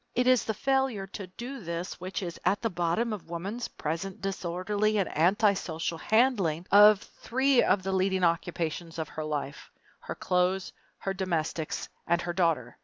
It is the failure to do this which is at the bottom of woman's present disorderly and antisocial handling of three of the leading occupations of her life her clothes, her domestics, and her daughter.